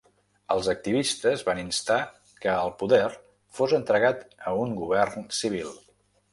Els activistes van instar que el poder fos entregat a un govern civil.